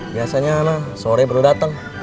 biasanya nah sore baru dateng